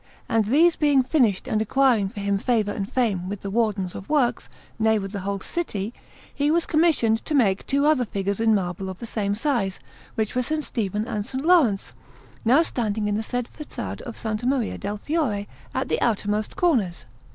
And these being finished and acquiring for him favour and fame with the Wardens of Works nay, with the whole city he was commissioned to make two other figures in marble of the same size, which were S. Stephen and S. Laurence, now standing in the said façade of S. Maria del Fiore, at the outermost corners.